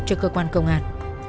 cho cơ quan công an